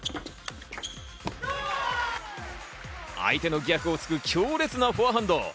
相手の逆を突く強烈なフォアハンド。